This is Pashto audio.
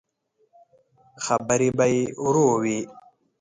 خبرې به يې ورو وې.